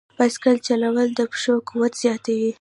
بایسکل چلول د پښو قوت زیاتوي.